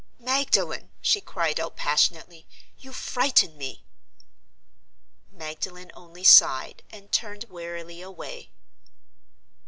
"Magdalen!" she cried out, passionately, "you frighten me!" Magdalen only sighed, and turned wearily away.